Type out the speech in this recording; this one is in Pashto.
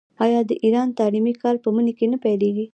آیا د ایران تعلیمي کال په مني کې نه پیلیږي؟